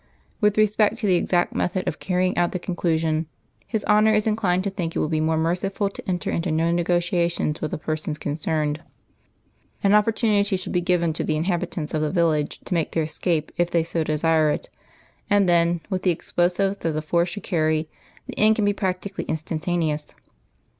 "With respect to the exact method of carrying out the conclusion, His Honour is inclined to think it will be more merciful to enter into no negotiations with the persons concerned. An opportunity should be given to the inhabitants of the village to make their escape if they so desire it, and then, with the explosives that the force should carry, the end can be practically instantaneous.